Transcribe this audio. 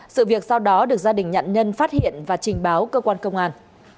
sự việc sau đó được gia đình nạn nhân phát hiện và trình báo cơ quan công an